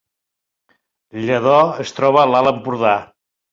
Lladó es troba a l’Alt Empordà